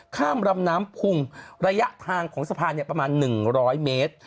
ข้ามลำน้ำพุงระยะทางของสะพานประมาณ๑๐๐เมตร